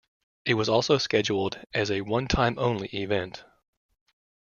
It was also scheduled as a "one time only" event.